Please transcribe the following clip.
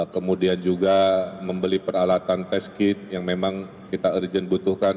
kemudian juga membeli peralatan test kit yang memang kita urgent butuhkan